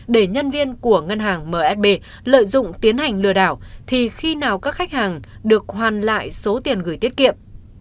để nhân viên của ngân hàng msb lợi dụng tiến hành lừa đảo thì khi nào các khách hàng được hoàn lại số tiền gửi tiết kiệm